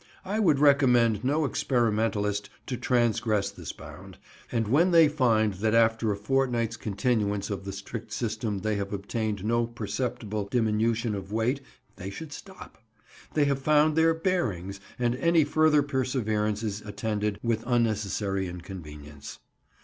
I would recommend no experimentalist to transgress this bound, and when they find that after a fortnight's continuance of the strict system they have obtained no perceptible diminution of weight they should STOP; they have found their "bearings," and any further perseverance is attended with unnecessary inconvenience.